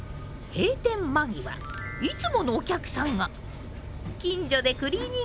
閉店間際いつものお客さんが。